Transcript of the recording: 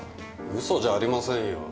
嘘じゃありませんよ。